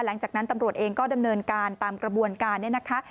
หลังจากนั้นตำรวจเองก็ดำเนินการตามกระบวนการเนี่ยนะคะ